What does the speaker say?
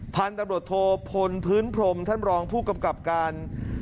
พันธุ์ตำรวจโทพลพื้นพรมท่านรองผู้กำกับการ